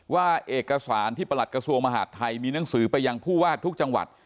ว่าเอกสารที่ประหลัดกระทรวงมหาดไทยมีหนังสือไปยังผู้ว่าทุกจังหวัด